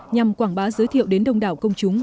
nhằm quảng bá giới thiệu đến đông đảo công chúng